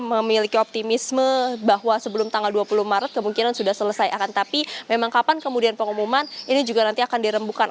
memiliki optimisme bahwa sebelum tanggal dua puluh maret kemungkinan sudah selesai akan tapi memang kapan kemudian pengumuman ini juga nanti akan dirembukan